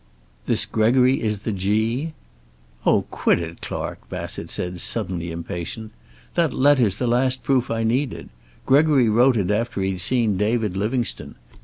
"This Gregory is the 'G'?" "Oh, quit it, Clark," Bassett said, suddenly impatient. "That letter's the last proof I needed. Gregory wrote it after he'd seen David Livingstone.